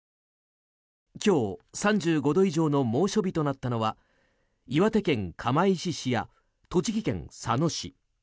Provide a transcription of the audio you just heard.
今日、３５度以上の猛暑日となったのは岩手県釜石市や栃木県佐野市